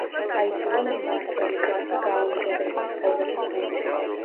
აიძულონ მმართველი კლასი, გააუმჯობესონ ცხოვრების დონე.